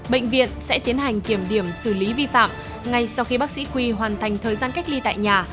bệnh viện sẽ tiến hành kiểm điểm xử lý vi phạm ngay sau khi bác sĩ quy hoàn thành thời gian cách ly tại nhà